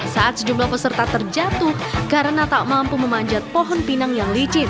saat sejumlah peserta terjatuh karena tak mampu memanjat pohon pinang yang licin